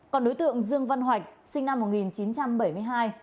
còn đối tượng dương văn hoạch sinh năm một nghìn chín trăm bảy mươi hai